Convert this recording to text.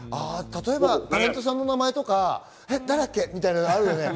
タレントさんの名前とか誰だっけ？みたいなのあるよね。